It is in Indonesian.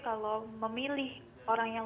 kalau memilih orang yang